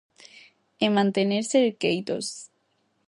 E manterse ergueitos.